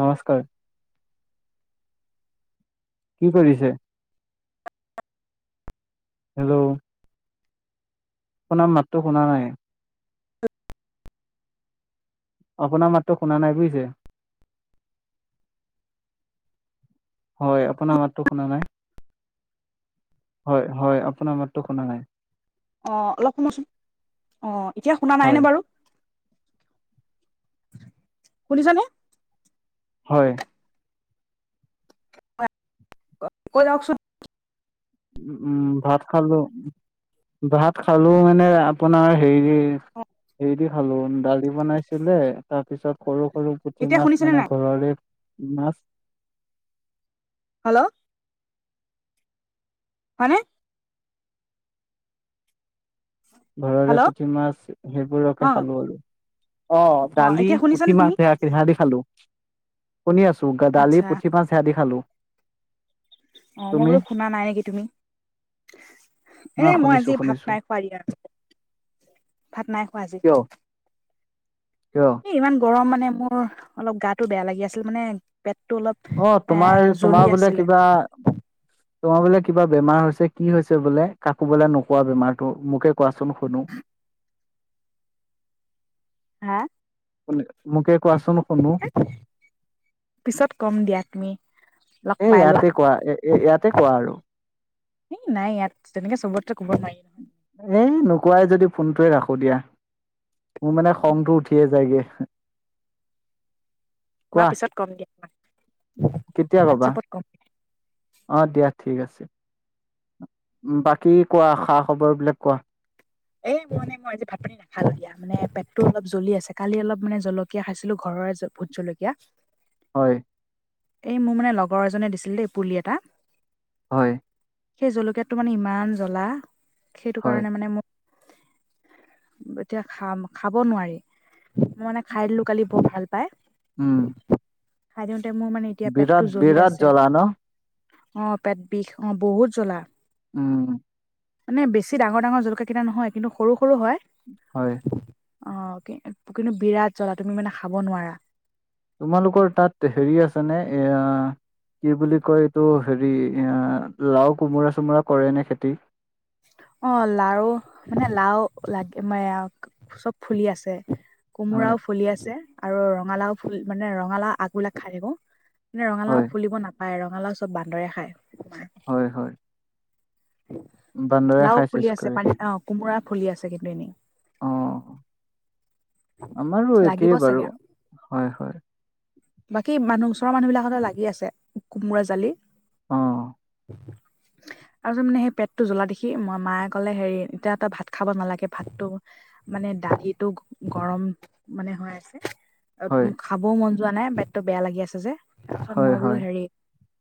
নমস্কাৰ কি কৰি আছে, হেল্ল' অপোনাৰ মাতো শুনা নাই। আপোনাৰ মাতো শুনা নাই যে যে হয় আপোনাৰ মাতো শুনা নাই। হয় হয় আপোনাৰ মাতো শুনা নাই। অ অলপ [unintelligible] অ এতিয়া শুনা নাই নে হয়, বাৰু? শুনিছানে? হয়। [unintelligible] কৈ যাওকচোন। উ উম ভাত খালো, ভাত খালো মানে আপোনাৰ হেৰি ইছ অ', হেৰিতো খালো দালি বনাইছিলে তাৰ পিছত সৰু সৰু পুঠি এতিয়া মাছ শুনিছেনে মানে নাই? ঘৰৰে মাছ হেল্ল' মানে ঘৰৰে হেল্ল' পুঠি মাছ সেইবোৰকে অ', খালো আৰু অ দালি এতিয়া শুনিছানে পুঠি মাছ তুমি? সেইয়াই। টেঙা দি খালো, শুনি আছো আচ্ছা দালি পুঠি মাছ সেয়া দি খালো। অ মই তুমি? বোলো শুনা নাই নেকি তুমি। এ ন মই শুনিছো আজি ভাত শুনিছো। নাই খোৱা দিয়া, ভাত নাই খোৱা আজি। কিয়? কিয়? এ ইমান গৰম মানে মোৰ অলপ গাটো বেয়া লাগি আছিল মানে। পেটো অলপ অ এ তোমাৰ তোমাৰ জলি বোলে আছিলে। কিবা তোমাৰ বোলে কিবা বেমাৰ হৈছে কি হৈছে বোলে, কাকো বোলে নোকোৱা বেমাৰটো মোকে কোৱাচোন শুনো। হা শু মোকে কোৱাচোন শুনো? পিছত কম দিয়া তুমি লগ এ পাই লোৱা ইয়াতে কোৱা এ ইয়াতে কোৱা আৰু এই নাই ইয়াত, তেনেকে চবতকে ক'ব নোৱাৰি। নহয়। এ নোকোৱাই যদি ফোনটোৱে ৰাখো দিয়া, মোৰ মানে উম, খংটো উঠিয়ে যায়গে। মই কোৱা পিছত কম দিয়া তোমাক। কেতিয়া কবা? ক অ দিয়া ঠিক আছে। উ বাকী কোৱা খা খবৰ বিলাক কোৱা? এ মানে মই আজি ভাত [unintelligible] হালধীয়া মানে পেটো অলপ জ্বলি আছে কালি অলপ মানে জলকীয়া খাইছিলো ঘৰৰে ভোট জলকীয়া হয়। এই মোৰ মানে লগৰ এজনী দিছিল দেই পুলি এটা হয়। সেই জলকীয়াতটো মানে ইমান জ্বলা সেইটো হয় কাৰণে মানে মোৰ এতিয়া খাম খাব নোৱাৰি। মই মানে খাই দিলো কালি বৰ ভাল পাই উম। খাই দিওঁতে মোৰ মানে এতিয়া পেটটো বিৰাট জ্বলি বিৰাট আছে জ্বলা ন? অ পেট বিষ, অ বহুত জ্বলা। উম মানে বেছি ডাঙৰ ডাঙৰ জলকীয়াকেইটা নহয় কিন্তু সৰু সৰু হয়। হয় অ কি কিন্তু বিৰাট জ্বলা তুমি মানে খাব নোৱাৰা। তোমালোকৰ তাত হেৰি আছে নে এয়া কি বুলি কয় এইটো হেৰি এ লাও, কোমোৰা চোমোৰা কৰে নে খেতি? অ লাও মানে লাও লাগে মানে আ চব ফুলি আছে হয় কোমোৰাও ফুলি আছে আৰু ৰঙালাও ফুল মানে ৰঙালাও আগবিলাক খাই থাকো। মানে হয় ৰঙালাও ফুলিব নাপায় ৰঙালাও চব বান্দৰে খায় হয় হয় বান্দৰে লাও খাই ফুলি চেচ আছে কৰে পানী লাও, কোমোৰা ফুলি আছে কিন্তু এনে অ আমাৰো লাগিব একেই চাগে বাৰু আৰু হয় হয়। বাকী মানুহ ওচৰৰ মানুহবিলাকতে লাগি আছে কোমোৰা জালি অ আৰু যে মানে সেই পেটটো জ্বলা দেখি মই মায়ে ক'লে হেৰি এতিয়া তই ভাত খাব নালাগে ভাতটো মানে দালিটো গৰম মানে হৈ আছে অব হয় উম খাবও মন যোৱা নাই পেটটো বেয়া লাগি আছে যে তাৰপিছত হয় মই বোলো হয় হেৰি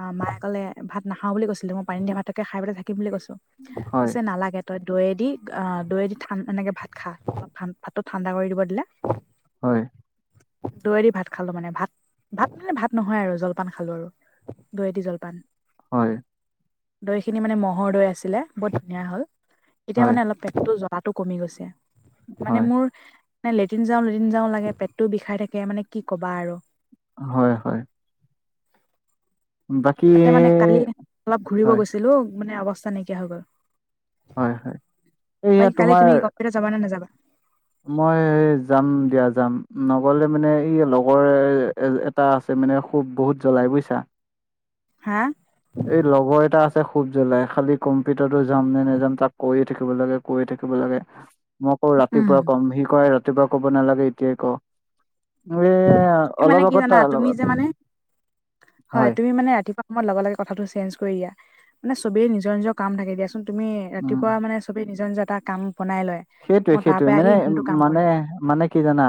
অ মায়ে ক'লে ভাত নাখাও বুলি কৈছিলো মই পানী দিয়া ভাতকে খাই পেলাই থাকিম বুলি কৈছো হয় কৈছে নালাগে তই দৈয়েদি আহ দৈয়েদি ঠান এনেকে ভাত খা অলপ ঠান ভাতটো ঠাণ্ডা কৰি দিব দিলে। হয় দৈয়েদি ভাত খালো মানে ভাত ভাত মানে ভাত নহয় আৰু জলপান খালো আৰু দৈয়েদি জলপান হয় দৈ খিনি মানে মহ'ৰ দৈ আছিলে বহুত ধুনীয়া হ'ল এতিয়া হয় মানে অলপ পেটটো জ- লাতো কমি গৈছে মানে হয় মোৰ নে লেটিন যাওঁ লেটিন যাওঁ লাগে পেটটোও বিষাই থাকে মানে কি কবা আৰু হয় হয় বাকী তাতে মানে কালি অলপ ঘূৰিব হয় গৈ- ছিলো মানে অৱস্থা নাইকিয়া হৈ গ'ল হয় হয় এইয়া বাকী কালি তোমাৰ তুমি কম্পিউটাৰ যাবা নে নাযাবা মই যাম দিয়া যাম নগলে মানে এইয়ে লগৰ এ টা আছে মানে খুব বহুত জ্বলাই বুইছা হা এই লগৰ এটা আছে খুব জ্বলাই খালি কম্পিউটাৰো যাম নে নেযাম তাক কৈয়ে থাকিব লাগে কৈয়ে থাকিব লাগে মই কওঁ ৰাতিপুৱা কম সি কয় ৰাতিপুৱা কব নালাগে এতিয়াই ক। এ এ মানে অলপ কি আগত জানা তাৰ তুমি লগত যে মানে হয় তুমি মানে ৰাতিপুৱা লগে লগে কথাটো চেঞ্জ কৰি দিয়া মানে চবেই নিজৰ নিজৰ কাম থাকে দিয়াচোন তুমি উম ৰাতিপুৱা মানে চবে নিজৰ নিজৰ এটা কাম বনাই লয়। সেইটোয়ে মই তাৰ সেইটোয়ে পৰা আহি মানে ইমানটো কাম মানে কৰিম। মানে কি জানা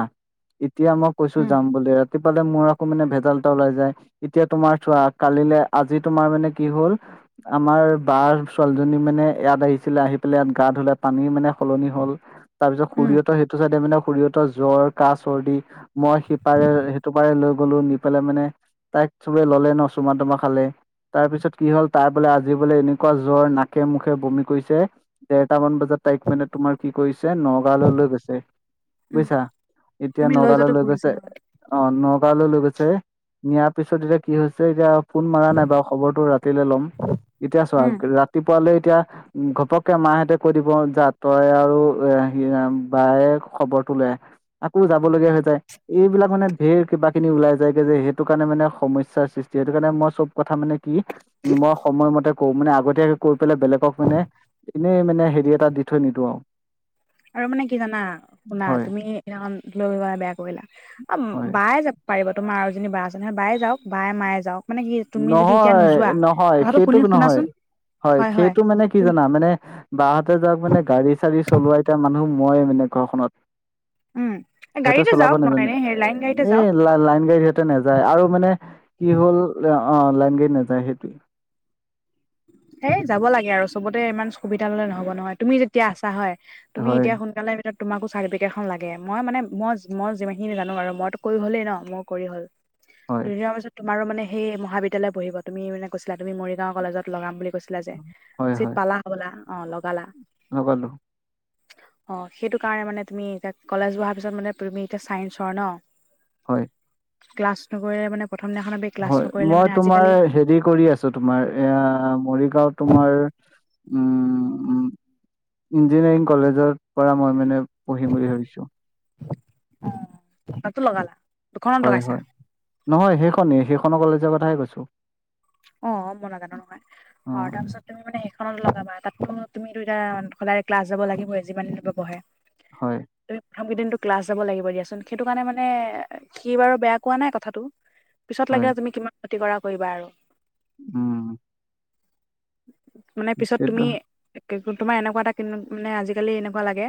এতিয়া মোক কৈছো উম, যাম বুলি ৰাতিপুৱালে মোৰ আকৌ মানে ভেজাল এটা ওলাই যায় এতিয়া তোমাৰ চোৱা কালিলে আজি তোমাৰ মানে কি হ'ল আমাৰ বাৰ ছোৱালীজনী মানে ইয়াত আহিছিলে আহি পেলাই ইয়াত গা ধুলে পানী মানে সলনি হ'ল তাৰপিছত উম, খুড়ীহঁতৰ সেইটো চাইতে মানে খুড়ীহঁতৰ জ্বৰ, কাহ, চৰ্দি মই সিপাৰে সেইটোপাৰে লৈ গলো নি পেলাই মানে তাইক চবে ল'লে ন চুমা তোমা খালে। তাৰ পিছত কি হ'ল তাই বোলে আজি বোলে এনেকুৱা জ্বৰ নাকে মুখে বমি কৰিছে। দেৰটামান বজাত তাইক মানে তোমাৰ কি কৰিছে নগাঁৱলৈ লৈ গৈছে। উম, বুজিছা এতিয়া তুমি যোৱাটো নগালৈ লৈ ভুল হৈছে গৈছে। নহয়। অ', নগাঁওলৈ লৈ গৈছে নিয়াৰ পিছত এতিয়া কি হৈছে এতিয়া ফোন মাৰা নাই বাৰু খবৰটো ৰাতিলৈ ল'ম এতিয়া চোৱা উম, ৰা ৰাতিপুৱালৈ এতিয়া ঘপককে মাহঁতে কৈ দিব জাত তই আৰু এ ৰাম বায়ে খবৰটো লৈ আহ আকৌ যাব লগগীয়া হৈ যায়। এইবিলাক মানে ভেৰ কিবা কিনি ওলাই যায়গে যে সেইটো কাৰণে মানে সমস্যাৰ সৃষ্টি সেইটো কাৰণে মই চব কথা মানে কি উ মই সময়মতে কৰো মানে আগতীয়াকে কৈ পেলাই বেলেগক মানে এনেই মানে হেৰি এটা দি ধৈ নিদিও আৰু। আৰু মানে কি জানা শুনা হয় তুমি সেখন লৈ বেয়া কৰিলা হয় বাই যাব পাৰিব তোমাৰ আৰু এজনী বা আছে নহয় বায়ে যাওক বায়ে মায়ে যাক নহয়, নহয় কথাটো শুনি সেইটোক নহয় শুনাচোন হয় সেইটো মানে কি জানা মানে বাহতে যাও মানে গাড়ী চাড়ী চলোৱা এতয়া মানুহ মই মানে ঘৰখনত উম সিহঁতে গাড়ীতে চলাব যাওক নহয় নাজানে এনে হেৰি লাইন গাড়ীতে এই যাওক ল লাইন গাড়ী নাযায় আৰু মানে কি হ'ল অ', লাইন গাড়ীত নাযায় সেইটো সেই যাব লাগে আৰু চবতে ইমান সুবিধা ললে নহ'ব নহয় তুমি যেতিয়া আছা হয় তুমি হয় এতিয়া সোনকালে তোমাকো চাৰ্টিফিকেটখন লাগে মই মানে মই মই যিমানখিনি জানো আৰু মইতো কৰি হ'লেই ন মই কৰি হ'ল হয় দুদিনৰ পিছত তোমাৰো মানে সেই মহাবিদ্যালয় পঢ়িব তুমি মানে কৈছিলা তুমি মৰিগাঁও কলেজত লগাম বুলি ছিলা যে চিট পালা হ'বলা অ', লগালা লগালোঁ। [inaudible] অ', সেইটো কাৰণে মানে তুমি এতিয়া কলেজ বহাৰ পিছত মানে তুমি এতিয়া ছায়েন্সৰ ন। হয়। ক্লাছ নকৰে মানে প্ৰথম দিনা খন হয় মই তোমাৰ হেৰি কৰি আছোঁ তোমাৰ এয়া মৰিগাঁও তোমাৰ উম উ ইঞ্জিনিয়াৰিং কলেজৰ পৰা মই মানে পঢ়িম বুলি ভাবিছোঁ। অ', তাতো লগালা দুখনত হয় লগাইছা। হয় নহয় সেইখনেই সেইখনৰ কলেজৰ কথাহে কৈছোঁ। অ', মই নাজানোঁ নহয়। অ হয় তাৰপিছত তুমি মানে সেইখনত লগাবা তাতো তুমিটো এটা সদায় ক্লাছ যাব লাগিবই যিমান বঢ়ে। হয়। তুমি প্ৰথম কেইদিনো ক্লাছ যাব লাগিব দিয়াচোন সেইটো কাৰণে মানে কি বাৰু বেয়া কোৱা নাই কথাটো পিছত হয় লাগিলে তুমি কিমান ক্ষতি কৰা কৰিবা আৰু। উম। মানে পিছত তুমি সেইটো তোমাৰ এনেকুৱা এটা কিনো মানে আজিকালি এনেকুৱা লাগে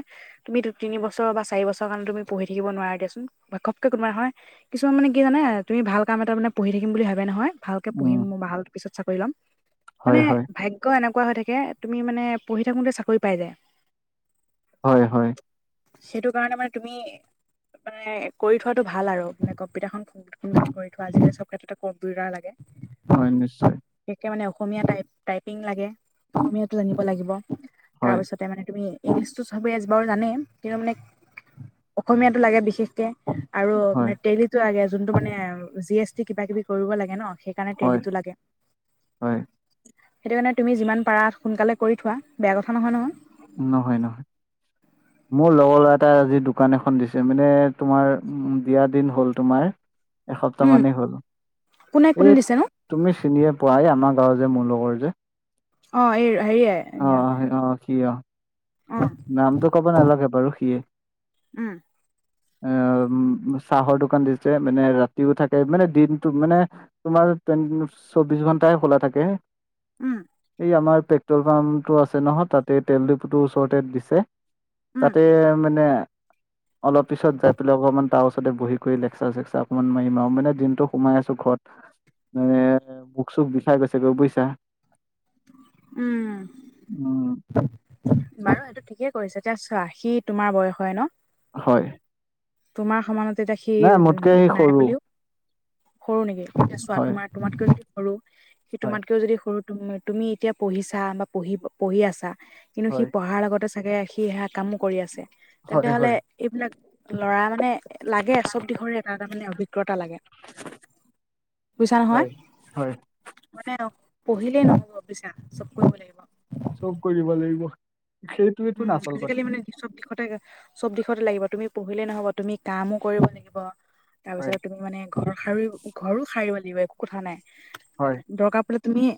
তুমি দু তিনি বছৰ বা চাৰি বছৰ কাৰণে তুমি পঢ়ি থাকিব নোৱাৰা [unintelligible] কোনোবা নহয় কিছুমান মানে কি জানে তুমি ভাল কাম এটা মানে পঢ়ি থাকিম বুলি ভাবে নহয়। ভালকে উম, পঢ়িম ম ভাল পিছত চাকৰি ল'ম মানে হয়, হয়, ভাগ্য ক এনেুৱা হৈ থাকে তুমি মানেঢ়ি থাকোঁতে চাকৰি পাই যায় হয় হয়। সেইটো কাৰণে মানে তুমি মানে কৰি থোৱাতটো ভাল আৰু মানে কম্পিউটাৰ খন উম কৰি থোৱা আজিকালি চব ক্ষেত্ৰতে কম্পিউাৰ লাগে। হয় নিশ্চয়। বিশেষকে মানে অসমীয়া টাইপ টাইপিং লাগে অসমীয়াটো জানিব লাগিব, হয়, তাৰপিছত তে মানে তুমি ইংলিছটো চবেই আজ বাৰু জানেই কিন্তু মানে অসমীয়াটো লাগে বিশেষকে। আৰু হয়, মানে ট্ৰেলিটো আগে যোনটো মানে জি এছ টি কিবা কিবি কৰিব লাগে ন সেইকাৰণে হয়, ট্ৰেলিটো লাগে। হয়। সেইটো কাৰণে তুমি যিমান পাৰা সোনকালে কৰি থোৱা বেয়া কথা নহয় নহয়। নহয় নহয়। [inaudible] মোৰ লগৰ ল'ৰা এটা আজি দোকান এখন দিছে মানে তোমাৰ উ দিয়া দিন হ'ল তোমাৰ। এসপ্তাহ উম মানেই হ'ল। কোনে কোন এই দিছে নো? তুমি চিনিয়ে পোৱা এই আমাৰ গাঁৱৰ যে মোৰ লগৰ যে। অঁ এই হেৰিয়ে অ', অ', সি অ', অ। নামটো ক'ব নালাগে বাৰু সিয়ে। উম। এ অ উম্ চাহৰ দোকান দিছে মানে ৰাতিও থাকে মানে দিনটো মানে তোমাৰ [unintelligible] চৌবিশ ঘন্টাই খোলা থাকে। উম। এই আমাৰ পেট্ৰল পাম্পটো আছে নহয় তাতে তেল ডিপুটো ওচৰতে দিছে। উম তাতে মানে অলপ পিছত যাই পেলাই অকমান তাৰ ওচতে বহি কৰি লেকচাৰ চেকচাৰ অকণমান মাৰিম আও মানে দিনটো সোমাই আছো ঘৰত। মানে বুক চুক বিচাৰি গৈছিলো বুইছা। উম উম [unintelligible] বাৰু এইটো ঠিকেই কৰিছে এতিয়া চোৱা হি তোমাৰ বয়সৰে ন? হয়। তোমাৰ সমানত এতিয়া সি নাই মোতকে সি নাই সৰু বুলিও সৰু নেকি? এতিয়া চোৱা হয় তোমাৰ তোমাতকৈও সৰু সি হয় তোমাতকেও যদি সৰু তম তুমি এতিয়া পঢ়িছা বা পঢ়ি পঢ়ি আছা কিন্তু সি হয় পঢ়াৰ লগতে চাগে সি সেইয়াত কামো কৰি আছে, হয় তেন্তে হলে হয় এইবিলাক ল'ৰা মানে লাগে চব দিশৰে এটা এটা মানে অভিজ্ঞতা লাগে। বুইছা নহয়? হয় হয় মানে পঢ়িলেই নহব বুইছা চব কৰিব লাগিব। চব কৰিব লাগিব সেইটোৱে উম, টোন আচল আজিকালি কথা। মানে চব দিশতে চব দিশতে লাগিব, তুমি পঢ়িলে নহব তুমি কামো কৰিব লাগিব। হয় তাৰপিছত তুমি মানে ঘৰ সাৰ ঘৰো সাৰিব লাগিব একো কথা নাই। হয়। দৰকাৰ পৰিলে তুমি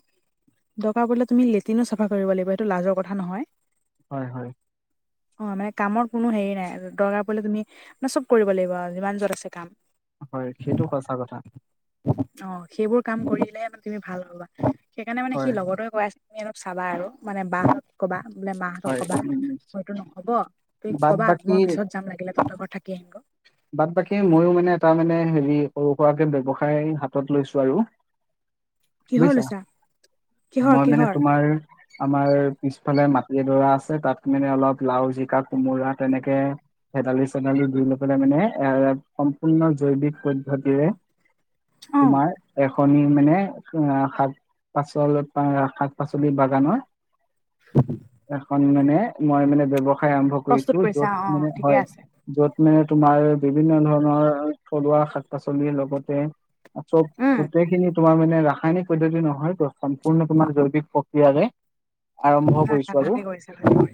দৰকাৰ পৰিলে তুমি লেট্ৰিনো চাফা কৰিব লাগিব সেইটো লাজৰ কথা নহয়। হয় হয়। অ মানে কামৰ কোনো হেৰি নাই, দৰকাৰ পৰিলে তুমি মানে চব কৰিব লাগিব আও যিমান য'ত আছে কাম। হয় সেইটো সঁচা কথা। অ সেইবোৰ কাম কৰিলেহে মানে তুমি ভাল হবা, সেইকাৰণে মানে সি হয় লগৰটোৱে কোৱাছ তুমি অলপ চাবা আৰু মানে বা হঁতক ক'বা মানে মাহঁতক হয় উম হয়টো নহব তুমি বাদ কবা বাকী মই পিছত যাম লাগিলে সিহঁতৰ ঘৰত থাকি আহিম ক। বাট-বাকী মইয়ো মানে এটা মানে হেৰি, সৰু-সুৱাকে ব্যৱসায় হাতত লৈছো আৰু। কিহৰ বুজিছা, লৈছা? কিহৰ মই মানে কিহৰ তোমাৰ আমাৰ পিছফালে মাটিডৰা আছে, তাত মানে অলপ লাও- জিকা কোমোৰা তেনেকে [inaudible] মানে এ, সম্পূৰ্ণ জৈৱিক পদ্ধতিৰে, অ তোমাৰ কণী, মানে শাক-পাচল, শাক-পাচলি বাগানৰ এখন মানে, মই মানে ব্যৱসায় সায়, আৰম্ভ কৰিছো, প্ৰস্তুত য'ত কৰিছা অ অ মানে ঠিকে হয় আছে য'ত মে তোমাৰ বিভিন্ন ধৰণৰ, থলুৱা শাক-পাচলি লগতে চ'ব, উম গোটেইখিনি তোমাৰ মানে, ৰাসায়নিক পদ্ধতি নহয় ত, সম্পূৰ্ণ তোমাৰ জৈৱিক প্ৰক্ৰিয়াৰে আৰম্ভ নাই নাই, কৰিছো আৰু। ভালে কৰিছা ভালে